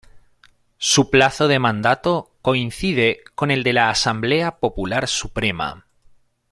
Su plazo de mandato coincide con el de la Asamblea Popular Suprema.